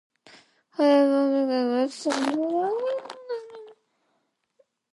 However, Vinatieri struggled early in the season and complained of soreness in his knee.